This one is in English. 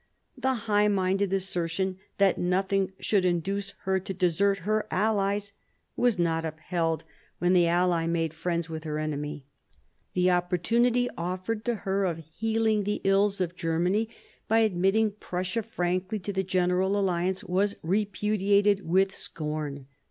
The high minded assertion that nothing should induce her to desert her allies was not upheld when the ally made 1766 7 CHANGE OF ALLIANCES 121 friends with her enemy. The opportunity offered to her of healing the ills of Germany by admitting Prussia frankly to the general alliance was repudiated with scorn.